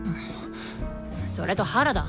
それと原田。